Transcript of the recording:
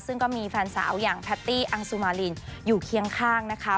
ซึ่งก็มีแฟนสาวอย่างแพตตี้อังสุมารินอยู่เคียงข้างนะคะ